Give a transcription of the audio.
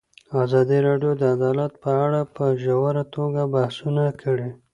ازادي راډیو د عدالت په اړه په ژوره توګه بحثونه کړي.